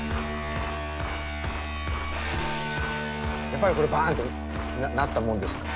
やっぱりこればんってなったもんですか？